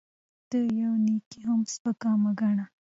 ته يوه نيکي هم سپکه مه ګڼه